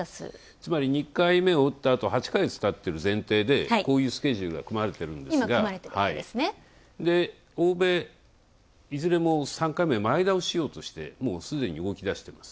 つまり、２回目を打った後８か月たっている前提でこういうスケジュールが組まれているんですが欧米、いずれも３か月前倒ししようとしてもう、すでに動きだしています。